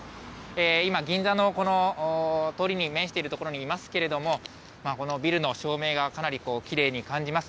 今、銀座のこの通りに面している所にいますけれども、このビルの照明がかなりきれいに感じます。